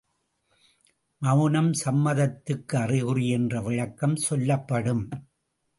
மவுனம் சம்மதத்துக்கு அறிகுறி என்று விளக்கம் சொல்லப்படும்.